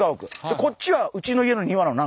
でこっちはうちの家の庭なの。